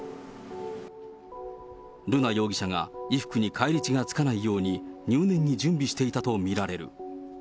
瑠奈容疑者が衣服に返り血が付かないように入念に準備していたと見られる。